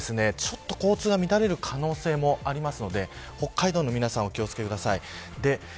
一部、交通が乱れる可能性もありますので北海道の皆さんお気を付けください。